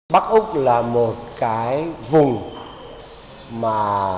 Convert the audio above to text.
bắc úc là một cái vùng mà